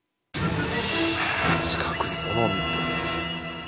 え近くでモノを見ると。